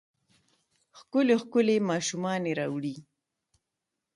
ښکلې ، ښکلې ماشومانې راوړي